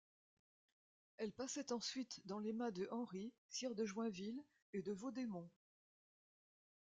Elle passait ensuite dans les mains de Henri sire de Joinville et de Vaudémont.